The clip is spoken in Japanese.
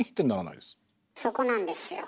そこなんですよ。